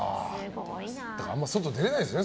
あんまり外に出ないんですね。